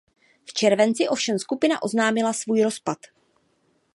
V červenci ovšem skupina oznámila svůj rozpad.